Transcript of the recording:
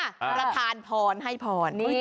ก็จะทานฟรนให้ฟรนนี่